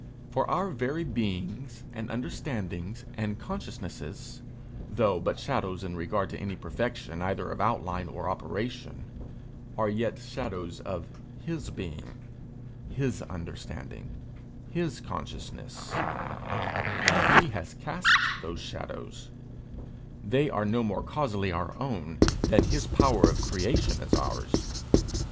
For our very beings and understandings and consciousnesses, though but shadows in regard to any perfection either of outline or operation, are yet shadows of his being, his understanding, his consciousness, and he has cast those shadows; they are no more causally our own than his power of creation is ours.